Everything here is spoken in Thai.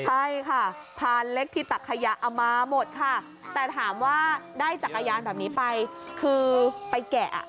ใช่ค่ะพานเล็กที่ตักขยะเอามาหมดค่ะแต่ถามว่าได้จักรยานแบบนี้ไปคือไปแกะอ่ะ